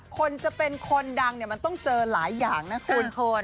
คนจะเป็นคนดังเนี่ยมันต้องเจอหลายอย่างนะคุณ